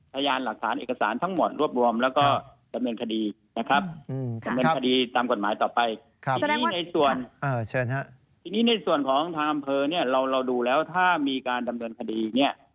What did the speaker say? ค่ะในส่วนคราวในส่วนของทางอำเภอเราดูแล้วถ้ามีการทำด้วยคดี